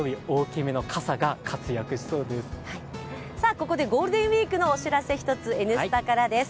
ここでゴールデンウイークのお知らせ、１つ、「Ｎスタ」からです。